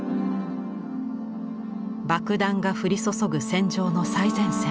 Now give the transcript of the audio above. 爆弾が降り注ぐ戦場の最前線。